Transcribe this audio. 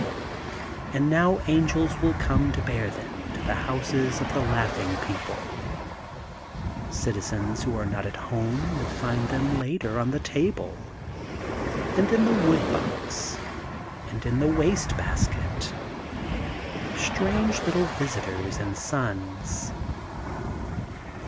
And now angels wiU come to bear them to the houses of the laughing people. Citizens who are not at home will find them later on the table, and in the wood box and in the THE GOLDEN BOOK OF SPRINGFIELD 817 waste basket, strange little visitors and sons.